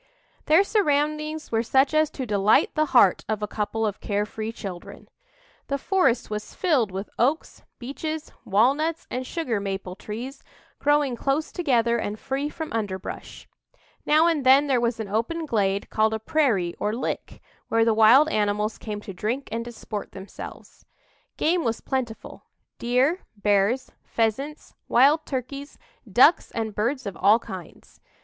Their surroundings were such as to delight the heart of a couple of care free children. The forest was filled with oaks, beeches, walnuts and sugar maple trees, growing close together and free from underbrush. Now and then there was an open glade called a prairie or "lick," where the wild animals came to drink and disport themselves. Game was plentiful deer, bears, pheasants, wild turkeys, ducks and birds of all kinds.